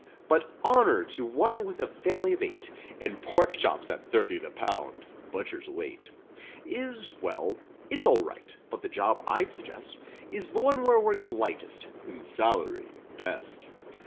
But honor to one with a family of eight. And pork chops at thirty the pound—butcher's weight— Is—^well it's alright but the job I'd suggest' Is the one where work's lightest and salary—best.